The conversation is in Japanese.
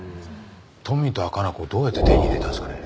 富田加奈子どうやって手に入れたんですかね？